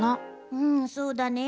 うんそうだね。